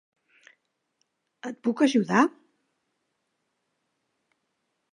El puc ajudar!